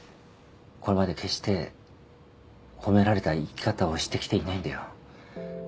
これまで決して褒められた生き方をしてきていないんだよ。